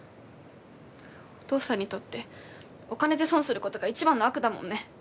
お父さんにとってお金で損をするごどが一番の悪だもんね。